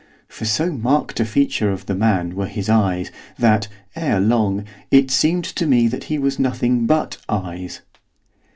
For so marked a feature of the man were his eyes, that, ere long, it seemed to me that he was nothing but eyes.